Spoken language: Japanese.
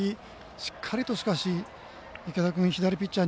しっかりと、しかし池田君左ピッチャー